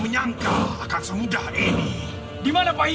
hanya jika saya menjaga ksatria